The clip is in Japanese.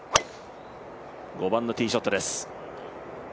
５番のティーショットです。